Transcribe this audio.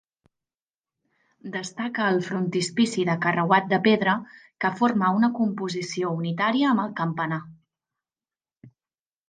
Destaca el frontispici de carreuat de pedra que forma una composició unitària amb el campanar.